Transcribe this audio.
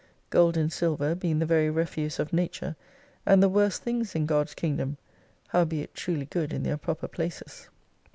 Gold and silver being the very refuse of Nature, and the worst things in God's Kingdom : Howbeit truly good in their proper places.